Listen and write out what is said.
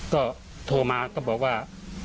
ก็โทรมาก็บอกว่า